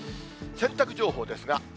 洗濯情報ですが。